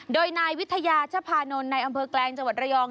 โดยนายวิทยาชภานนท์ในอำเภอแกลงจังหวัดระยอง